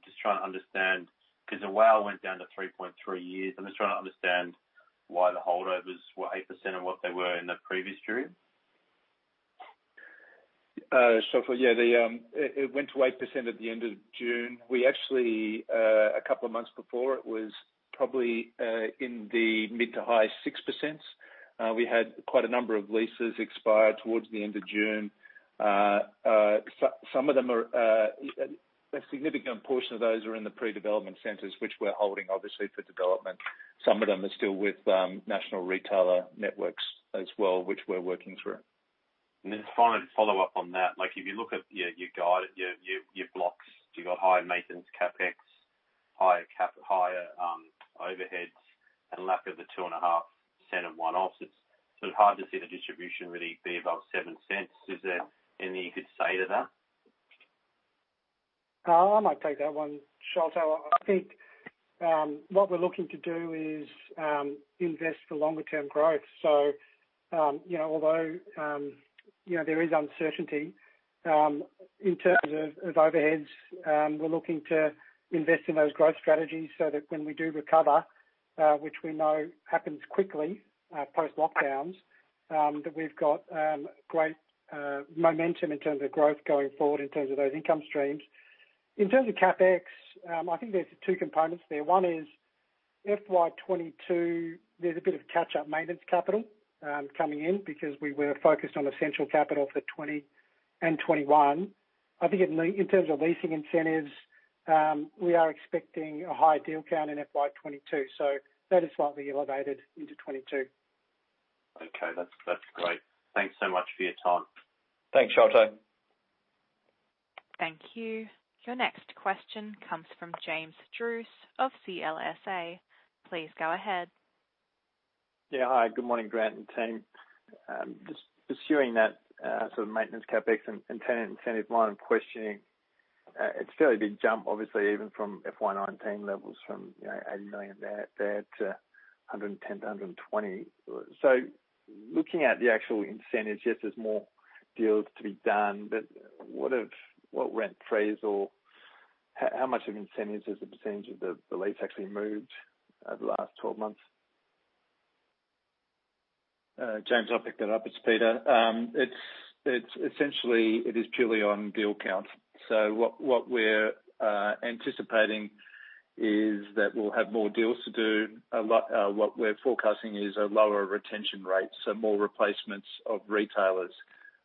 Just trying to understand, because WALE went down to 3.3 years. I'm just trying to understand why the holdovers were 8% and what they were in the previous period. Sholto, yeah. It went to 8% at the end of June. We actually, a couple of months before, it was probably in the mid to high 6%. We had quite a number of leases expire towards the end of June. A significant portion of those are in the pre-development centers, which we're holding, obviously, for development. Some of them are still with national retailer networks as well, which we're working through. Finally, to follow up on that, if you look at your guide, your blocks, you've got higher maintenance CapEx, higher overheads, and lack of the two and a half cent of one-offs. It's sort of hard to see the distribution really be above 0.07. Is there anything you could say to that? I might take that one, Sholto. I think what we're looking to do is invest for longer-term growth. Although there is uncertainty, in terms of overheads, we're looking to invest in those growth strategies so that when we do recover, which we know happens quickly post-lockdowns, that we've got great momentum in terms of growth going forward, in terms of those income streams. In terms of CapEx, I think there's two components there. One is FY 2022, there's a bit of catch-up maintenance capital coming in because we were focused on essential capital for 2020 and 2021. I think in terms of leasing incentives, we are expecting a higher deal count in FY 2022, so that is slightly elevated into 2022. Okay, that's great. Thanks so much for your time. Thanks, Sholto. Thank you. Your next question comes from James Druce of CLSA. Please go ahead. Hi, good morning, Grant and team. Just pursuing that sort of maintenance CapEx and tenant incentive line of questioning. It's a fairly big jump, obviously, even from FY 2019 levels from 80 million there to 110 million-120 million. Looking at the actual incentives, yes, there's more deals to be done, but what rent-free or how much of incentives as a percentage of the lease actually moved over the last 12 months? James, I'll pick that up. It is Peter. Essentially it is purely on deal count. What we're anticipating is that we'll have more deals to do. What we're forecasting is a lower retention rate, so more replacements of retailers.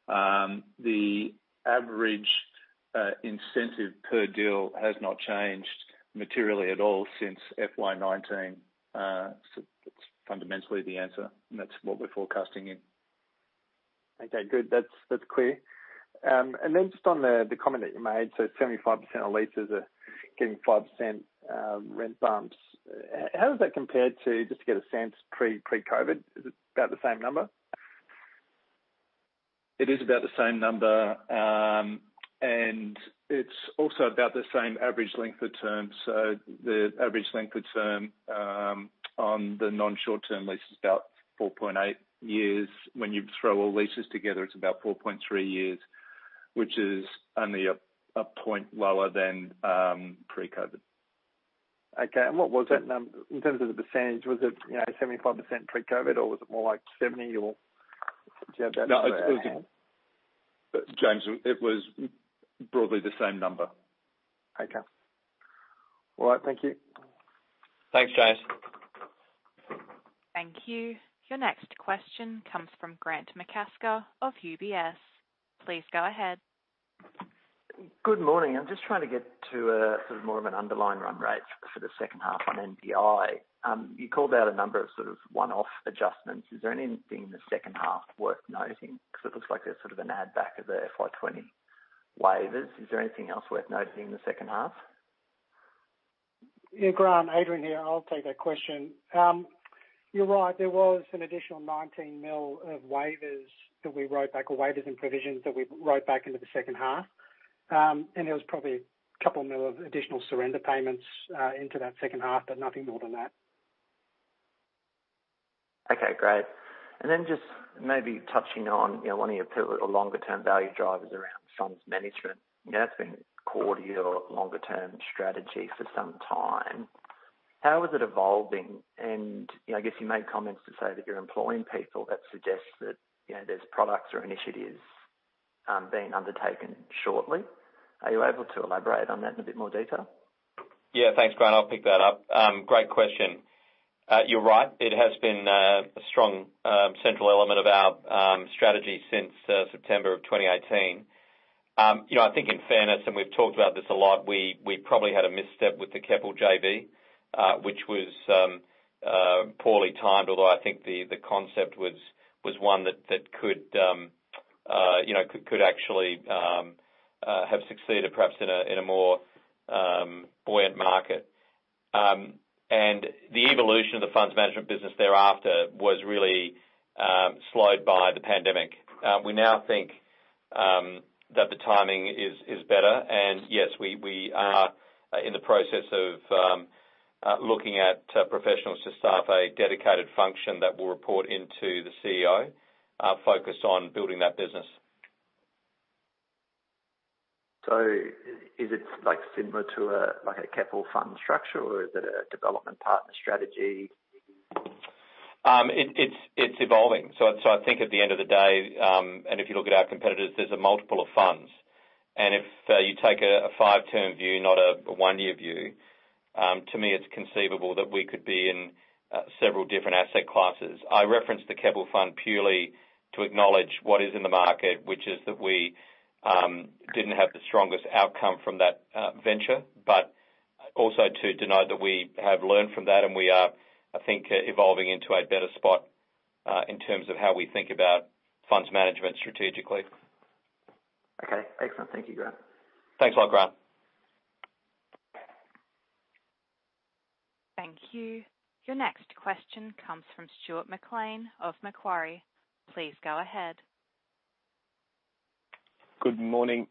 The average incentive per deal has not changed materially at all since FY 2019. That's fundamentally the answer, and that's what we're forecasting in. Okay, good. That's clear. Just on the comment that you made, 75% of leases are getting 5% rent bumps. How does that compare to, just to get a sense, pre-COVID? Is it about the same number? It is about the same number. It's also about the same average length of term. The average length of term on the non-short-term lease is about 4.8 years. When you throw all leases together, it's about 4.3 years, which is only one point lower than pre-COVID. Okay. What was that number in terms of the percentage, was it 75% pre-COVID-19, or was it more like 70% or do you have that? No. James, it was broadly the same number. Okay. All right, thank you. Thanks, James. Thank you. Your next question comes from Grant McCasker of UBS. Please go ahead. Good morning. I'm just trying to get to a more of an underlying run rate for the second half on NPI. You called out a number of one-off adjustments. Is there anything in the second half worth noting? It looks like there's an ad back of the FY 2020 waivers. Is there anything else worth noting in the second half? Yeah, Grant, Adrian here. I'll take that question. You're right, there was an additional 19 million of waivers that we wrote back, or waivers and provisions that we wrote back into the second half. There was probably AUD 2 million of additional surrender payments into that second half, but nothing more than that. Okay, great. Just maybe touching on one of your longer-term value drivers around funds management. That's been core to your longer-term strategy for some time. How is it evolving? I guess you made comments to say that you're employing people. That suggests that there's products or initiatives being undertaken shortly. Are you able to elaborate on that in a bit more detail? Yeah. Thanks, Grant, I'll pick that up. Great question. You're right, it has been a strong central element of our strategy since September of 2018. I think in fairness, we've talked about this a lot, we probably had a misstep with the Keppel JV, which was poorly timed. Although I think the concept was one that could actually have succeeded, perhaps, in a more buoyant market. The evolution of the funds management business thereafter was really slowed by the pandemic. We now think that the timing is better. Yes, we are in the process of looking at professionals to staff a dedicated function that will report into the CEO, focused on building that business. Is it similar to a Keppel Fund structure, or is it a development partner strategy? It's evolving. I think at the end of the day, and if you look at our competitors, there's a multiple of funds. If you take a five-term view, not a one-year view, to me, it's conceivable that we could be in several different asset classes. I referenced the Keppel Fund purely to acknowledge what is in the market, which is that we didn't have the strongest outcome from that venture. Also to denote that we have learned from that, and we are, I think, evolving into a better spot in terms of how we think about funds management strategically. Okay. Excellent. Thank you, Grant. Thanks a lot, Grant. Thank you. Your next question comes from Stuart McLean of Macquarie. Please go ahead. Good morning.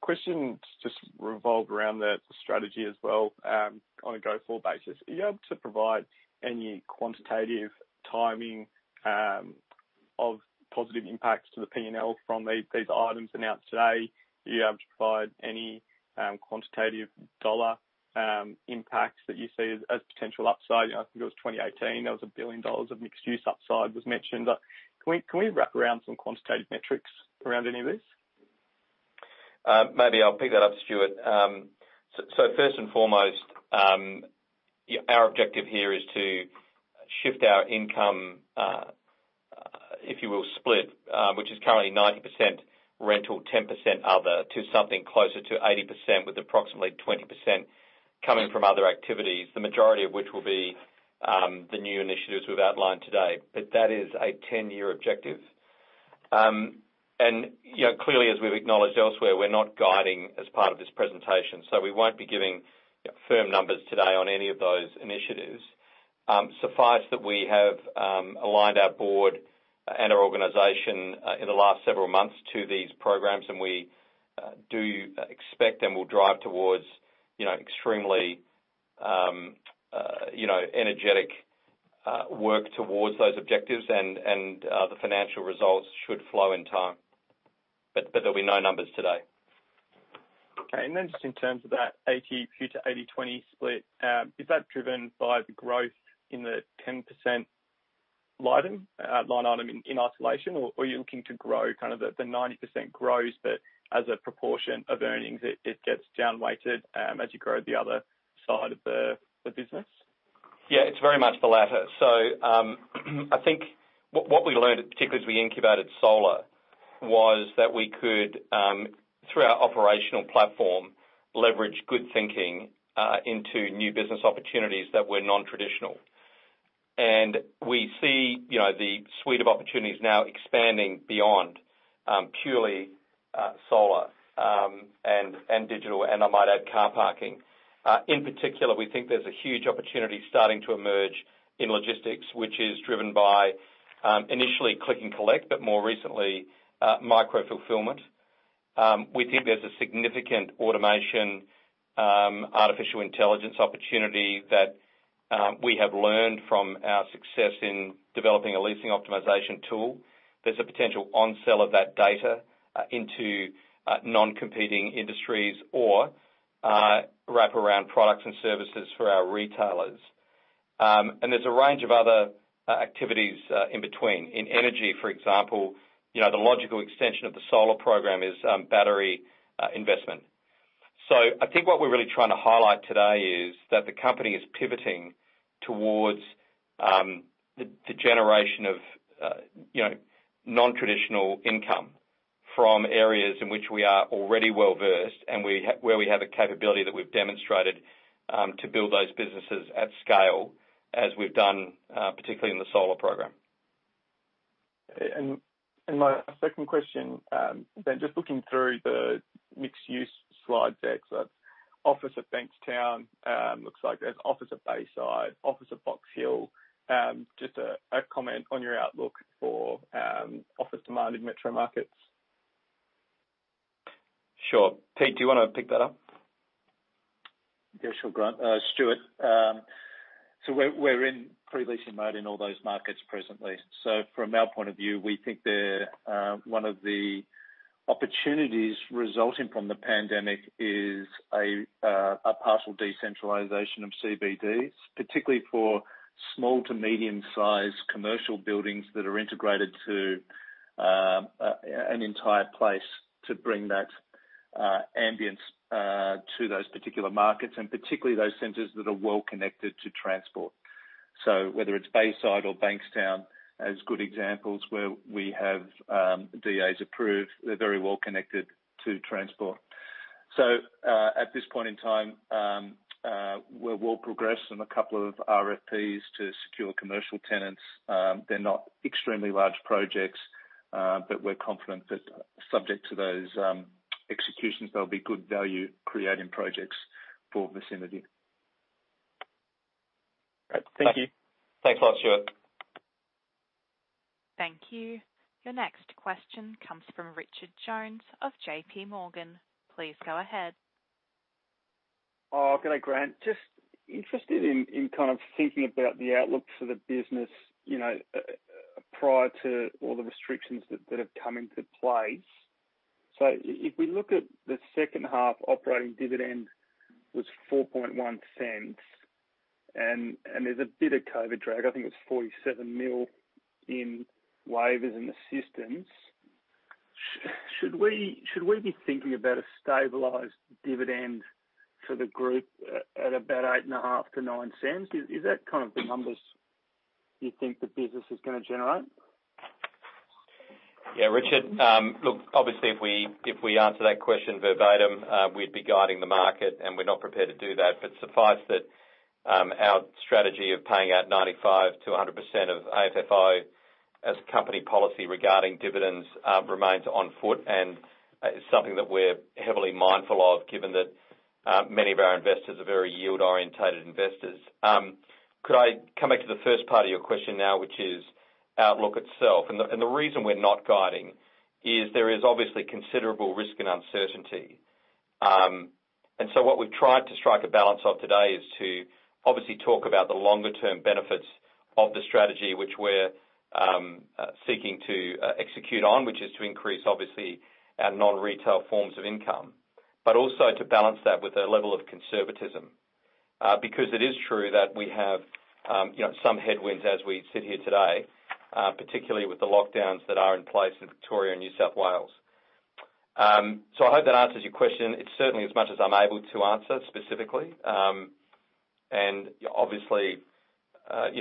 Question just revolved around the strategy as well, on a go-forward basis. Are you able to provide any quantitative timing of positive impacts to the P&L from these items announced today? Are you able to provide any quantitative dollar impacts that you see as potential upside? I think it was 2018, there was 1 billion dollars of mixed-use upside was mentioned. Can we wrap around some quantitative metrics around any of this? Maybe I'll pick that up, Stuart. First and foremost, our objective here is to shift our income, if you will, split, which is currently 90% rental, 10% other, to something closer to 80%, with approximately 20% coming from other activities. The majority of which will be the new initiatives we've outlined today. That is a 10-year objective. Clearly, as we've acknowledged elsewhere, we're not guiding as part of this presentation. We won't be giving firm numbers today on any of those initiatives. Suffice that we have aligned our board and our organization in the last several months to these programs, and we do expect and will drive towards extremely energetic work towards those objectives. The financial results should flow in time. There'll be no numbers today. Okay. Just in terms of that 80%, future 80/20 split, is that driven by the growth in the 10% line item in isolation, or are you looking to grow, kind of the 90% grows, but as a proportion of earnings, it gets down-weighted as you grow the other side of the business? Yeah, it's very much the latter. I think what we learned, particularly as we incubated solar, was that we could, through our operational platform, leverage good thinking into new business opportunities that were non-traditional. We see the suite of opportunities now expanding beyond purely solar and digital, and I might add, car parking. In particular, we think there's a huge opportunity starting to emerge in logistics, which is driven by initially click and collect, but more recently, micro fulfillment. We think there's a significant automation, artificial intelligence opportunity that we have learned from our success in developing a leasing optimization tool. There's a potential onsell of that data into non-competing industries or wraparound products and services for our retailers. There's a range of other activities in between. In energy, for example, the logical extension of the solar program is battery investment. I think what we're really trying to highlight today is that the company is pivoting towards the generation of non-traditional income from areas in which we are already well-versed and where we have a capability that we've demonstrated to build those businesses at scale, as we've done, particularly in the solar program. My second question then, just looking through the mixed-use slides there. That's office of Bankstown, looks like there's office of Bayside, office of Box Hill. Just a comment on your outlook for office demand in metro markets? Sure. Pete, do you want to pick that up? Yeah, sure, Stuart. We're in pre-leasing mode in all those markets presently. From our point of view, we think one of the opportunities resulting from the pandemic is a partial decentralization of CBDs, particularly for small to medium-sized commercial buildings that are integrated to an entire place to bring that ambience to those particular markets, and particularly those centers that are well connected to transport. Whether it's Bayside or Bankstown, as good examples where we have DAs approved, they're very well connected to transport. At this point in time, we're well progressed on a couple of RFPs to secure commercial tenants. They're not extremely large projects, but we're confident that subject to those executions, they'll be good value creating projects for Vicinity. Great. Thank you. Thanks a lot, Stuart. Thank you. Your next question comes from Richard Jones of JPMorgan. Please go ahead. Oh, good day, Grant. Just interested in kind of thinking about the outlook for the business prior to all the restrictions that have come into place. If we look at the second half operating dividend was 0.041, and there's a bit of COVID drag, I think it was 47 million in waivers and assistance. Should we be thinking about a stabilized dividend for the group at about 0.085-0.09? Is that kind of the numbers you think the business is going to generate? Yeah. Richard, look, obviously, if we answer that question verbatim, we'd be guiding the market. We're not prepared to do that. Suffice that our strategy of paying out 95%-100% of AFFO as company policy regarding dividends remains on foot and is something that we're heavily mindful of, given that many of our investors are very yield orientated investors. Could I come back to the first part of your question now, which is outlook itself. The reason we're not guiding is there is obviously considerable risk and uncertainty. What we've tried to strike a balance of today is to obviously talk about the longer term benefits of the strategy which we're seeking to execute on, which is to increase, obviously, our non-retail forms of income. Also to balance that with a level of conservatism, because it is true that we have some headwinds as we sit here today, particularly with the lockdowns that are in place in Victoria and New South Wales. I hope that answers your question. It's certainly as much as I'm able to answer specifically. Obviously,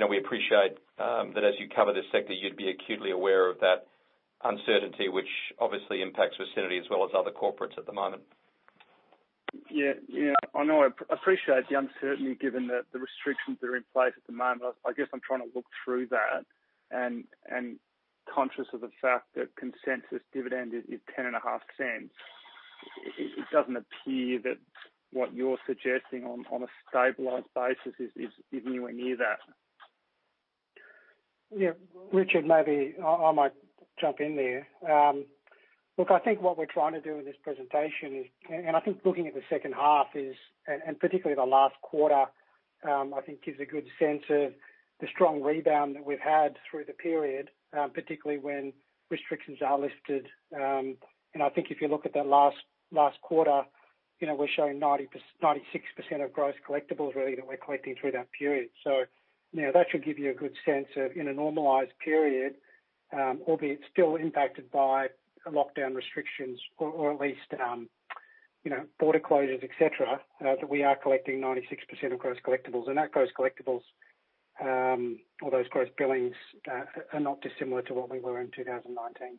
we appreciate that as you cover this sector, you'd be acutely aware of that uncertainty, which obviously impacts Vicinity as well as other corporates at the moment. Yeah. I know. I appreciate the uncertainty given that the restrictions that are in place at the moment. I guess I'm trying to look through that and conscious of the fact that consensus dividend is 0.105. It doesn't appear that what you're suggesting on a stabilized basis is anywhere near that. Yeah. Richard, maybe I might jump in there. I think what we're trying to do in this presentation, looking at the second half, particularly the last quarter, gives a good sense of the strong rebound that we've had through the period, particularly when restrictions are lifted. I think if you look at that last quarter, we're showing 96% of gross collectibles really that we're collecting through that period. That should give you a good sense of in a normalized period, albeit still impacted by lockdown restrictions or at least border closures, et cetera, that we are collecting 96% of gross collectibles. That gross collectibles or those gross billings are not dissimilar to what we were in 2019.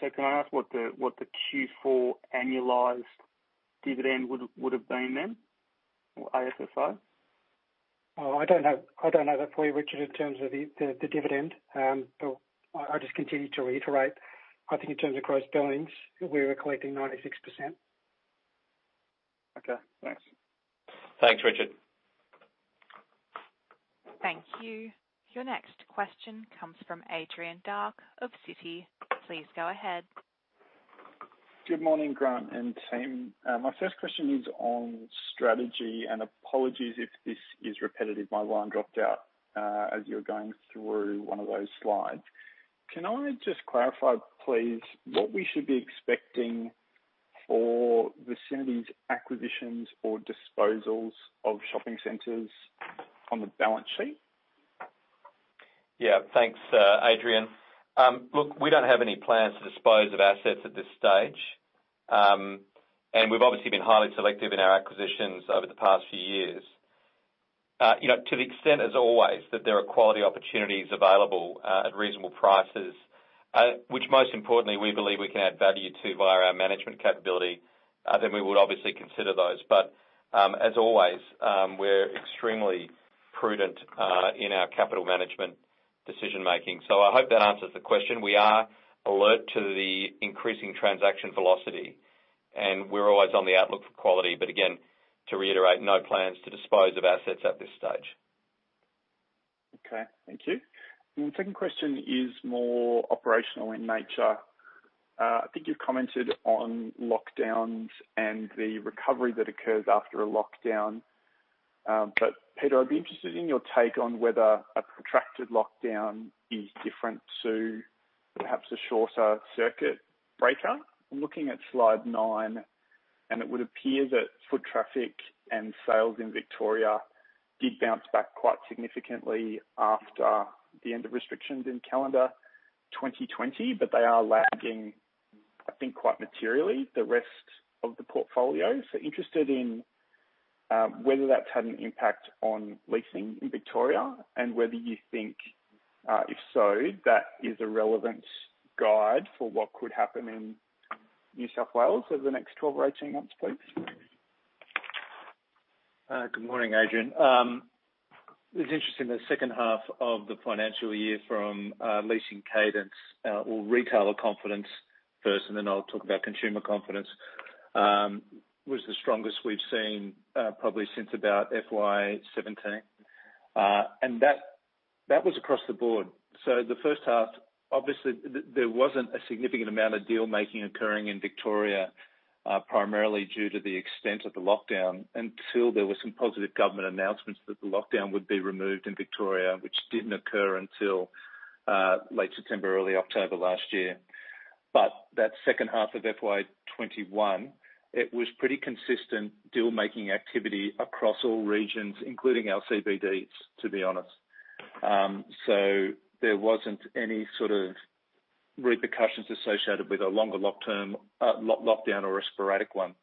Can I ask what the Q4 annualized dividend would have been then? Or AFFO? Oh, I don't have that for you, Richard, in terms of the dividend. I'll just continue to reiterate, I think in terms of gross billings, we were collecting 96%. Okay, thanks. Thanks, Richard. Thank you. Your next question comes from Adrian Dark of Citi. Please go ahead. Good morning, Grant and team. My first question is on strategy, and apologies if this is repetitive. My line dropped out as you were going through one of those slides. Can I just clarify, please, what we should be expecting for Vicinity's acquisitions or disposals of shopping centers on the balance sheet? Yeah. Thanks, Adrian. We don't have any plans to dispose of assets at this stage. We've obviously been highly selective in our acquisitions over the past few years. To the extent, as always, that there are quality opportunities available at reasonable prices, which most importantly, we believe we can add value to via our management capability, we would obviously consider those. As always, we're extremely prudent in our capital management decision-making. I hope that answers the question. We are alert to the increasing transaction velocity, and we're always on the outlook for quality. Again, to reiterate, no plans to dispose of assets at this stage. Okay. Thank you. The second question is more operational in nature. I think you've commented on lockdowns and the recovery that occurs after a lockdown. Peter, I'd be interested in your take on whether a protracted lockdown is different to perhaps a shorter circuit breaker. I'm looking at slide nine, and it would appear that foot traffic and sales in Victoria did bounce back quite significantly after the end of restrictions in calendar 2020, but they are lagging, I think, quite materially the rest of the portfolio. Interested in whether that's had an impact on leasing in Victoria and whether you think, if so, that is a relevant guide for what could happen in New South Wales over the next 12 or 18 months, please. Good morning, Adrian. It's interesting, the second half of the financial year from leasing cadence or retailer confidence first, then I'll talk about consumer confidence, was the strongest we've seen probably since about FY 2017. That was across the board. The first half, obviously, there wasn't a significant amount of deal-making occurring in Victoria, primarily due to the extent of the lockdown until there were some positive government announcements that the lockdown would be removed in Victoria, which didn't occur until late September, early October last year. That second half of FY 2021, it was pretty consistent deal-making activity across all regions, including our CBDs, to be honest. There wasn't any sort of repercussions associated with a longer lockdown or a sporadic one.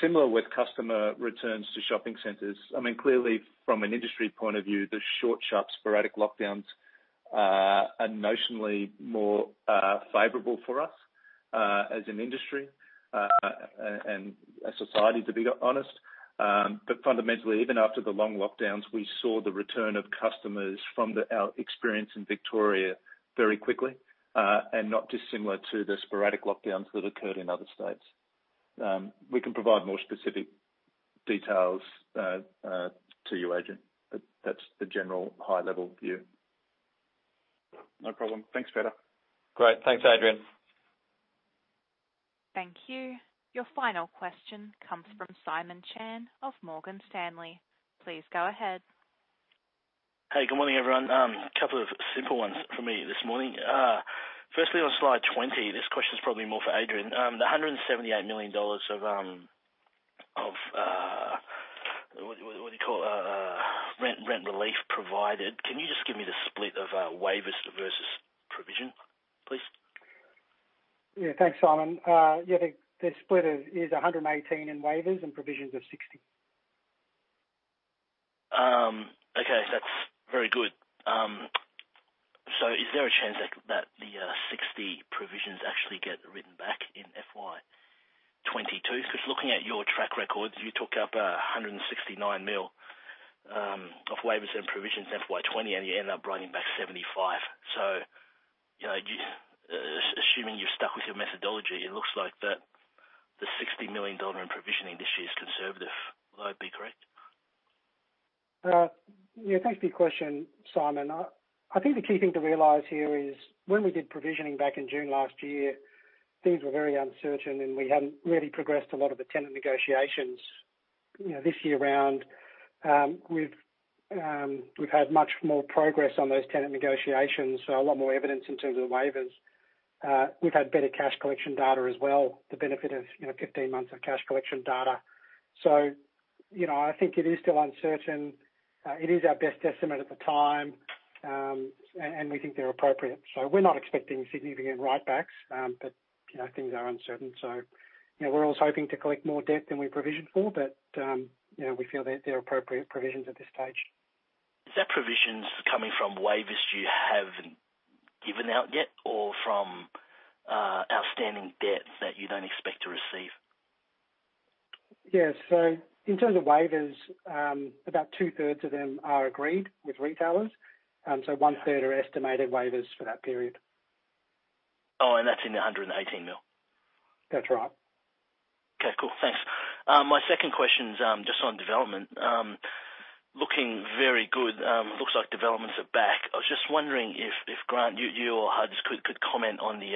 Similar with customer returns to shopping centers. Clearly from an industry point of view, the short, sharp, sporadic lockdowns are notionally more favorable for us as an industry and a society, to be honest. Fundamentally, even after the long lockdowns, we saw the return of customers from our experience in Victoria very quickly, and not dissimilar to the sporadic lockdowns that occurred in other states. We can provide more specific details to you, Adrian. That's the general high-level view. No problem. Thanks, Peter. Great. Thanks, Adrian. Thank you. Your final question comes from Simon Chan of Morgan Stanley. Please go ahead. Hey, good morning, everyone. Couple of simple ones from me this morning. Firstly, on slide 20, this question's probably more for Adrian. The 178 million dollars of rent relief provided, can you just give me the split of waivers versus provision, please? Yeah. Thanks, Simon. Yeah, the split is 118 in waivers and provisions of 60. Is there a chance that the 60 provisions actually get written back in FY 2022? Looking at your track records, you took up 169 million of waivers and provisions FY 2020, and you ended up writing back 75. Assuming you're stuck with your methodology, it looks like the 60 million dollar in provisioning this year is conservative. Would I be correct? Yeah. Thanks for your question, Simon. I think the key thing to realize here is when we did provisioning back in June last year, things were very uncertain, and we hadn't really progressed a lot of the tenant negotiations. This year around, we've had much more progress on those tenant negotiations, so a lot more evidence in terms of waivers. We've had better cash collection data as well, the benefit of 15 months of cash collection data. I think it is still uncertain. It is our best estimate at the time. We think they're appropriate. We're not expecting significant write-backs, but things are uncertain. We're always hoping to collect more debt than we provisioned for, but we feel that they're appropriate provisions at this stage. Is that provisions coming from waivers you haven't given out yet or from outstanding debt that you don't expect to receive? Yeah. In terms of waivers, about two-thirds of them are agreed with retailers. 1/3 are estimated waivers for that period. Oh, that's in the 118 million. That's right. Okay, cool. Thanks. My second question is just on development. Looking very good. Looks like developments are back. I was just wondering if, Grant, you or Hud could comment on the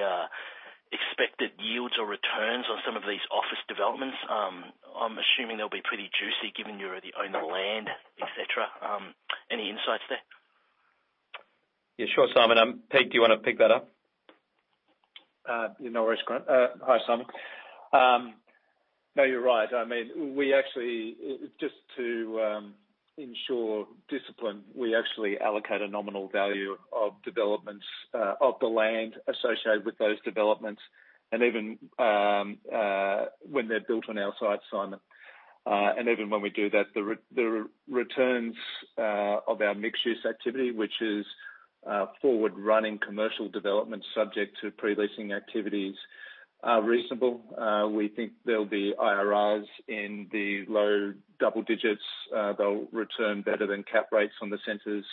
expected yields or returns on some of these office developments. I am assuming they will be pretty juicy given you own the land, et cetera. Any insights there? Yeah, sure, Simon. Pete, do you want to pick that up? Yeah, no worries, Grant. Hi, Simon. No, you're right. Just to ensure discipline, we actually allocate a nominal value of developments of the land associated with those developments, and even when they're built on our site, Simon. Even when we do that, the returns of our mixed-use activity, which is forward-running commercial development subject to pre-leasing activities, are reasonable. We think there'll be IRRs in the low double digits. They'll return better than cap rates on the centers,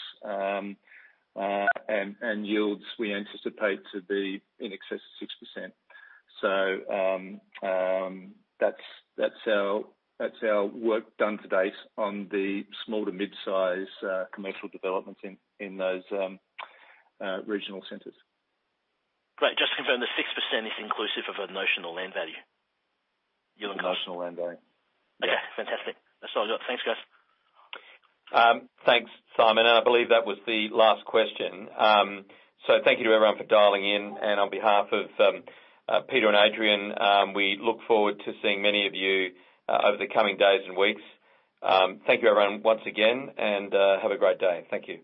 and yields we anticipate to be in excess of 6%. That's our work done to date on the small to midsize commercial developments in those regional centers. Great. Just to confirm, the 6% is inclusive of a notional land value? National land value. Okay, fantastic. That's all I got. Thanks, guys. Thanks, Simon, and I believe that was the last question. Thank you to everyone for dialing in, and on behalf of Peter and Adrian, we look forward to seeing many of you over the coming days and weeks. Thank you, everyone, once again, and have a great day. Thank you.